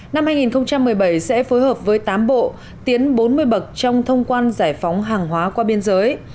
năm hai nghìn một mươi bảy sẽ phối hợp với tám bộ tiến bốn mươi bậc trong thông quan giải phóng hàng hóa qua biên giới